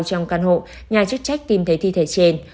trong căn hộ nhà chức trách tìm thấy thi thể trên